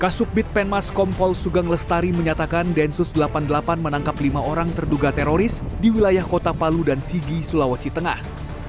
kasubbit penmas kompol sugeng lestari menyatakan densus delapan puluh delapan menangkap lima orang terduga teroris di wilayah kota palu dan sigi sulawesi tengah